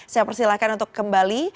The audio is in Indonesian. saya persilahkan untuk kembali